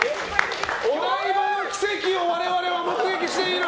お台場の奇跡を我々は目撃している！